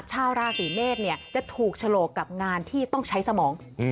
ชาวราศีเมษจะถูกฉลกกับงานที่ต้องใช้สมอง